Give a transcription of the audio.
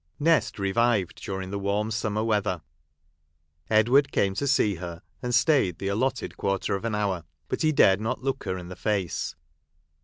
NEST revived during the warm summer weather. Edward came to see her, and stayed the allotted quarter of an hour ; but he dared not look her in the face.